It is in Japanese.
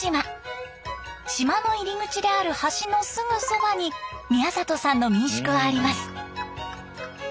島の入り口である橋のすぐそばに宮里さんの民宿はあります。